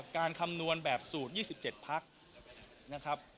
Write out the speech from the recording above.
คำนวณแบบสูตร๒๗พักนะครับ